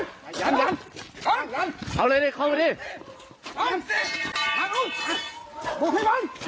เอามาเอาบุกมาลงมาแห่งจริงนี่เฮ้ยเอาลูก